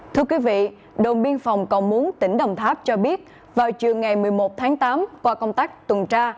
thưa quý vị đồn biên phòng cầu muốn tỉnh đồng tháp cho biết vào chiều ngày một mươi một tháng tám qua công tác tuần tra